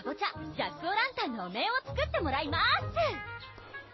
ジャック・オ・ランタンのお面を作ってもらいます！